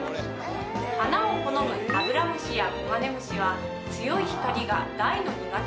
花を好むアブラムシやコガネムシは強い光が大の苦手なんです。